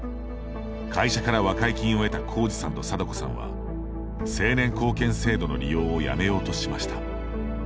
会社から和解金を得た浩直さんと貞子さんは成年後見制度の利用をやめようとしました。